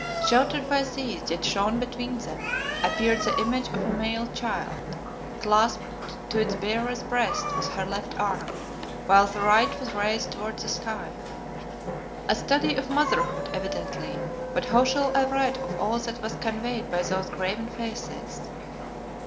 Sheltered by these, yet shown between them, appeared the image of a male child, clasped to its bearer's breast with her left arm, while the right was raised toward the sky. A study of Motherhood, evidently, but how shall I write of all that was conveyed by those graven faces?